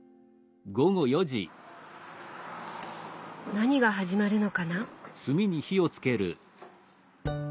何が始まるのかな？